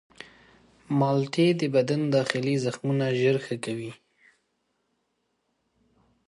مالټې د بدن داخلي زخمونه ژر ښه کوي.